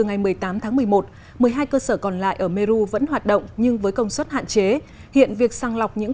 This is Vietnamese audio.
ngày một mươi tám tháng một mươi một một mươi hai cơ sở còn lại ở meru vẫn hoạt động nhưng với công suất hạn chế hiện việc sang lọc những